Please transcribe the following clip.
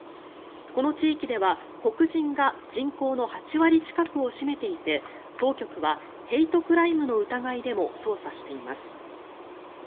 この地域では黒人が人口の８割近くを占めていて当局はヘイトクライムの疑いでも捜査しています。